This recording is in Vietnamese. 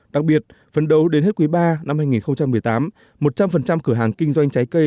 đặc biệt phấn đấu đến hết quý ba năm hai nghìn một mươi tám một trăm linh cửa hàng kinh doanh trái cây